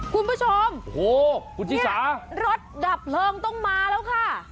คุณผู้ชมรถดับลงต้องมาแล้วค่ะคุณชิสา